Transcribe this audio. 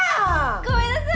ごめんなさい！